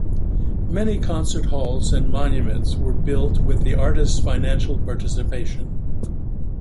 Many concert halls and monuments were built with the artist's financial participation.